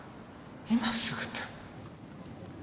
今すぐって。